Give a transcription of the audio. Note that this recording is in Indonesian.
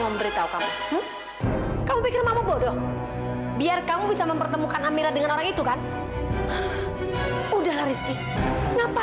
untuk amira ketemu papahannya ma